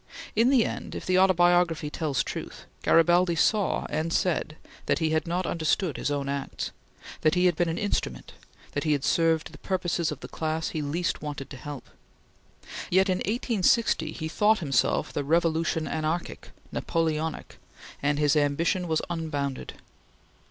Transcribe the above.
In the end, if the "Autobiography" tells truth, Garibaldi saw and said that he had not understood his own acts; that he had been an instrument; that he had served the purposes of the class he least wanted to help; yet in 1860 he thought himself the revolution anarchic, Napoleonic, and his ambition was unbounded.